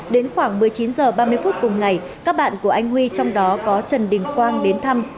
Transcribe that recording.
đến khoảng một mươi chín h ba mươi phút cùng ngày các bạn của anh huy trong đó có trần đình quang đến thăm